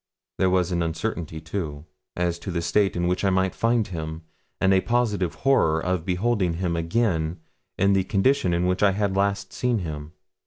There was an uncertainty, too, as to the state in which I might find him, and a positive horror of beholding him again in the condition in which I had last seen him.